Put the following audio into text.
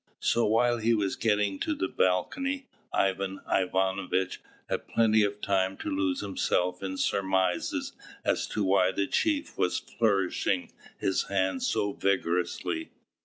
So while he was getting to the balcony, Ivan Ivanovitch had plenty of time to lose himself in surmises as to why the chief was flourishing his hands so vigorously.